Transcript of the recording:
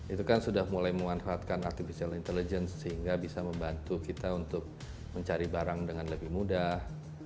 itu kan sudah mulai memanfaatkan artificial intelligence sehingga bisa membantu kita untuk mencari barang dengan lebih mudah